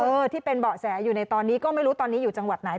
ที่เป็นเบาะแสอยู่ในตอนนี้ก็ไม่รู้ตอนนี้อยู่จังหวัดไหน